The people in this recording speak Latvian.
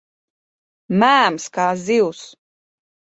Mēms kā zivs.